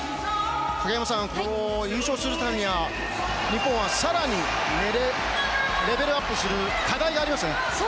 影山さん優勝するためには日本は更にレベルアップする課題がありますね。